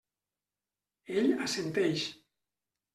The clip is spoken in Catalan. Ell assenteix.